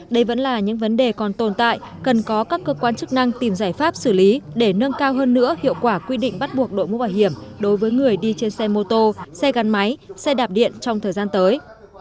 đây vẫn là những vấn đề còn tồn tại cần có các cơ quan chức năng tìm giải pháp xử lý để nâng cao hơn nữa hiệu quả quy định bắt buộc đội mũ bảo hiểm đối với người đi trên xe mô tô xe gắn máy xe đạp điện trong thời gian tới